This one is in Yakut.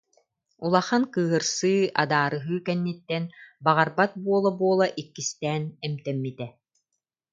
Улахан кыыһырсыы, адаарыһыы кэнниттэн баҕарбат буола-буола иккистээн эмтэммитэ